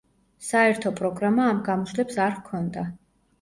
საერთო პროგრამა ამ გამოსვლებს არ ჰქონდა.